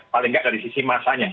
paling nggak dari sisi masanya